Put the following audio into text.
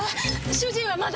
主人はまだ？